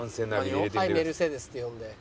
「ハイメルセデス」って呼んで。